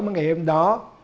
sáu mươi ngày hôm đó